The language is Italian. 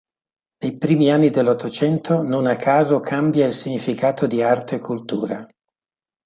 Nei primi anni dell'Ottocento, non a caso, cambia il significato di arte e cultura.